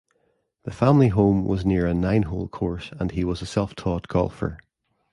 The family home was near a nine-hole course and he was a self-taught golfer.